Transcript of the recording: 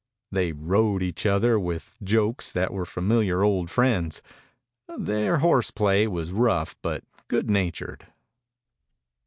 They "rode" each other with jokes that were familiar old friends. Their horse play was rough but good natured.